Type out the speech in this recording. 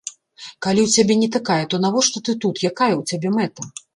Калі ў цябе не такая, то навошта ты тут, якая ў цябе мэта?